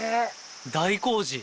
大工事！